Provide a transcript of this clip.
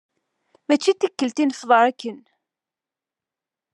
Mačči tikelt i nefḍer akken.